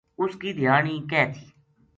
اُس کی دھیانی کہہ تھی